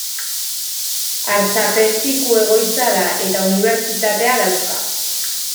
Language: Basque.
Artzapezpiku-egoitza da eta unibertsitatea dauzka.